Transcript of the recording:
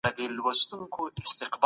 دغه ونه په رښتیا ډېره مېوه لرونکې ده.